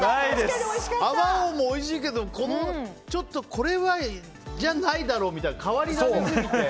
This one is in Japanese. あまおうもおいしいけどこのちょっとこれじゃないだろうみたいな変わり種すぎて。